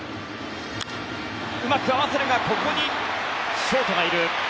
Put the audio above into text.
うまく合わせるがここにショートがいる。